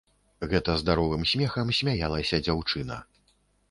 Гэта здаровым смехам смяялася дзяўчына.